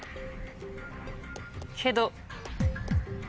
けど。